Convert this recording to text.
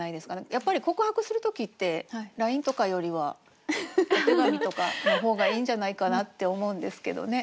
やっぱり告白する時ってＬＩＮＥとかよりはお手紙とかの方がいいんじゃないかなって思うんですけどね。